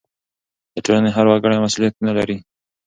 د ټولنې هر وګړی مسؤلیتونه لري.